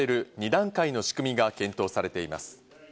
２段階の仕組みが検討されています。